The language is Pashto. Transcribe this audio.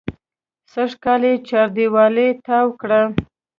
سږکال یې چاردېواله تاو کړه.